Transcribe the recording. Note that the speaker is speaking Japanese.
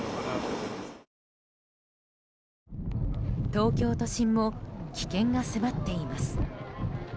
東京都心も危険が迫っています。